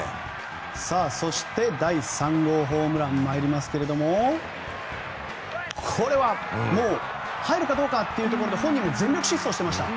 そして第３号ホームラン参りますがこれはもう入るかどうかというところで本人も全力疾走していました。